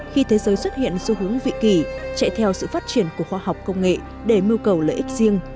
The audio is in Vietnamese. khi thế giới xuất hiện xu hướng vị kỳ chạy theo sự phát triển của khoa học công nghệ để mưu cầu lợi ích riêng